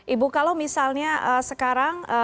ibu kalau misalnya sekarang